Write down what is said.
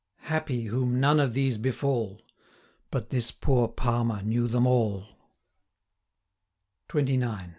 495 Happy whom none of these befall, But this poor Palmer knew them all. XXIX.